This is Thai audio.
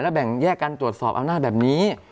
แบ่งแยกการตรวจสอบอำนาจแบบนี้